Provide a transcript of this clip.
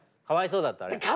かわいそうだったあれ。